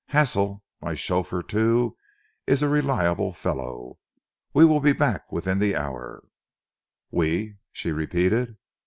Hassell, my chauffeur, too, is a reliable fellow. We will be back within the hour." "We?" she repeated.